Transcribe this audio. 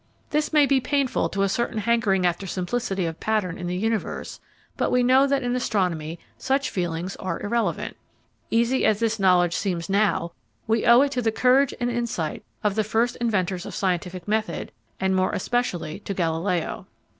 This may be painful to a certain hankering after simplicity of pattern in the universe, but we know that in astronomy such feelings are irrelevant. Easy as this knowledge seems now, we owe it to the courage and insight of the first inventors of scientific method, and more especially of Galileo.